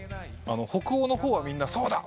北欧の方はみんな「そうだ。